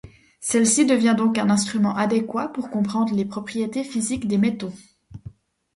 Celle-ci devient donc un instrument adéquat pour comprendre les propriétés physiques des métaux.